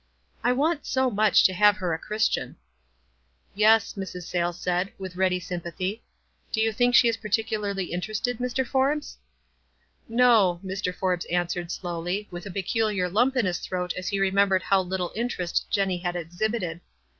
"I want so much to have her a Christian." "Yes," Mrs. Sayles said, with ready sympa thy. "Do you think she is particularly inter ested, Mr. Forbes?" "No," Mr. Forbes answered, slowly, with a peculiar lump in his throat as he remembered how little interest Jenny had exhibited.